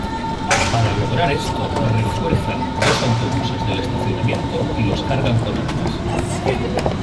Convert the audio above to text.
Para lograr esto refuerzan dos autobuses del estacionamiento y los cargan con armas.